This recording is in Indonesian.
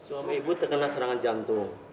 suami ibu terkena serangan jantung